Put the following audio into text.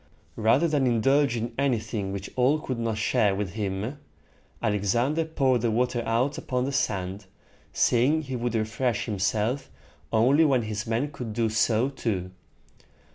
Rather than indulge in anything which all could not share with him, Alexander poured the water out upon the sand, saying he would refresh himself only when his men could do so too.